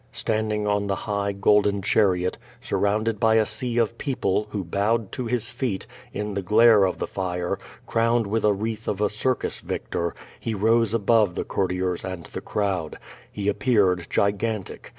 Standing on the high, golden chariot, surrounded by a sea of people, who bowed to his feet, in the glare of the fire, crowned with a wreath of a circus vic tor, he rose above the courtiers and the crowd. He appeared gigantic.